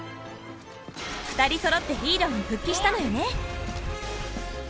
２人そろってヒーローに復帰したのよね。